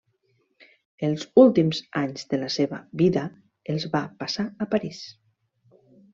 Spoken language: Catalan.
Els últims anys de la seva vida els va passar a París.